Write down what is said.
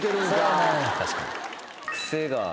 確かに。